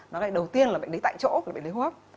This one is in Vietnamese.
nó gây đầu tiên là bệnh lý tại chỗ bệnh lý hút